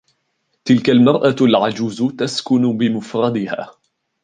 تلك المرأة العجوز تسكن بمفردها.